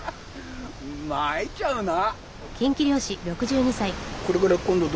まいっちゃうな。